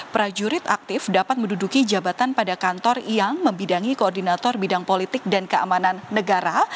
prajurit aktif dapat menduduki jabatan pada kantor yang membidangi koordinator bidang politik dan keamanan negara